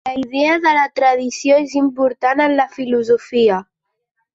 La idea de la tradició és important en la filosofia.